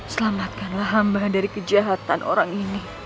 selamatkanlah hamba dari kejahatan orang ini